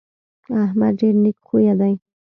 احمد ډېر نېک خویه دی.